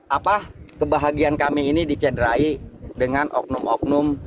apa kebahagiaan kami ini dicederai dengan oknum oknum